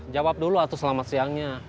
jawab dulu atau selamat siangnya